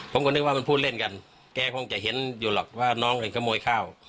ผมก็นึกว่ามันพูดเล่นกันแกคงจะเห็นอยู่หรอกว่าน้องเป็นขโมยข้าว